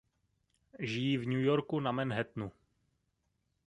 Žijí v New Yorku na Manhattanu.